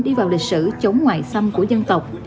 đi vào lịch sử chống ngoại xâm của dân tộc